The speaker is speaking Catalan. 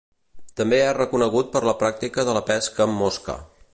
També és reconegut per la pràctica de la pesca amb mosca.